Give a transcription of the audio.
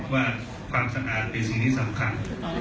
ว่าความสะอาดเป็นสิ่งที่สำคัญ